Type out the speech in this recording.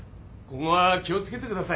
今後は気を付けてください。